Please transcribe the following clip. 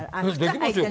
できますよ。